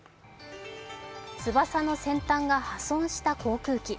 翼の先端が破損した航空機。